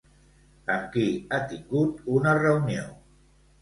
Amb qui ha tingut una reunió?